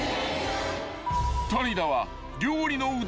［谷田は］